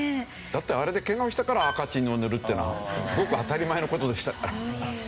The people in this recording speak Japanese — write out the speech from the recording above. だってあれでケガをしたから赤チンを塗るっていうのはごく当たり前の事でしたから。